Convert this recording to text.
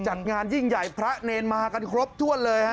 จัดงานยิ่งใหญ่พระเรียนมากันครบทวดเลยครับ